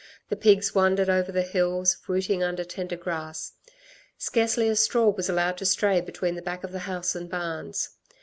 The pigs wandered over the hills rooting under the tender grass. Scarcely a straw was allowed to stray between the back of the house and barns.